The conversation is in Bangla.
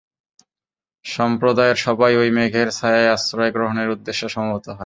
সম্প্রদায়ের সবাই ঐ মেঘের ছায়ায় আশ্রয় গ্রহণের উদ্দেশ্যে সমবেত হয়।